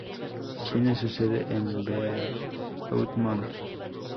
Tiene su sede en Beaumont.